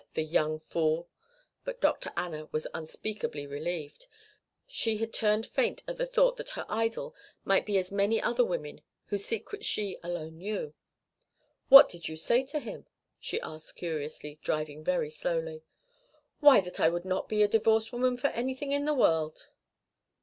The young fool!" But Dr. Anna was unspeakably relieved. She had turned faint at the thought that her idol might be as many other women whose secrets she alone knew. "What did you say to him?" she asked curiously, driving very slowly. "Why, that I would not be a divorced woman for anything in the world."